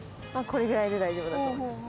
これぐらいで大丈夫だと思います。